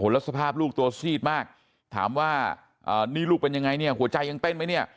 แล้วสภาพลูกตัวซีดมากถามว่านี่ลูกเป็นยังไงเนี่ยหัวใจยังเต้นไหมเนี่ย